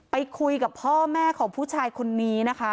ไปคุยกับพ่อแม่ของผู้ชายคนนี้นะคะ